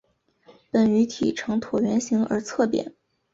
本鱼体呈椭圆形而侧扁。